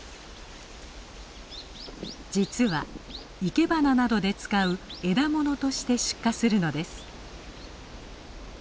実は生け花などで使う「枝もの」として出荷するのです。